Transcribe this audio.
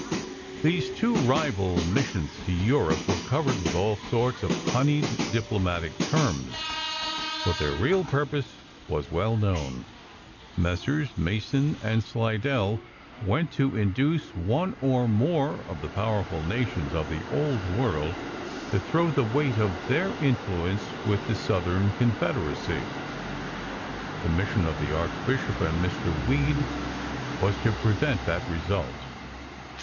These two rival "missions" to Europe were covered with all sorts of honeyed diplomatic terms, but their real purpose was well known. Messrs. Mason and Slidell went to induce one or more of the powerful nations of the old world to throw the weight of their influence with the Southern Confederacy. The mission of the Archbishop and Mr. Weed was to prevent that result.